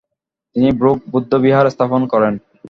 তিনি 'ব্রুগ বৌদ্ধবিহার' স্থাপন করেন।